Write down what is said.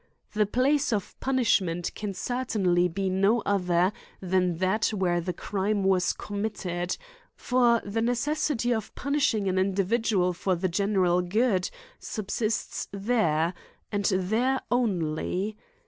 The place of punishment can certainly be no other than that where the crime was commit ted ; for the necessity of punishmg an individu al for the general good, subsists there, and there only.